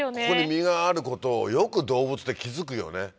ここに実があることをよく動物って気付くよね。